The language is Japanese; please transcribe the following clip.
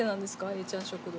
えーちゃん食堂。